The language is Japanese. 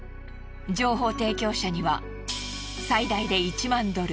情報提供者には最大で１万ドル